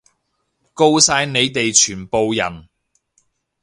吿晒你哋全部人！